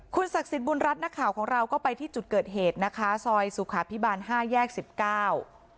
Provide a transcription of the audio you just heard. ศักดิ์สิทธิบุญรัฐนักข่าวของเราก็ไปที่จุดเกิดเหตุนะคะซอยสุขาพิบาลห้าแยกสิบเก้า